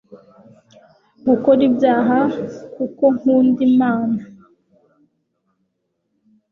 gukora ibyaha, kuko nkunda imana